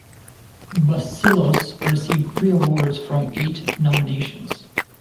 Bacilos received three awards from eight nominations.